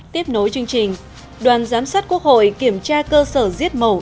tiếp nối chương trình đoàn giám sát quốc hội kiểm tra cơ sở giết mổ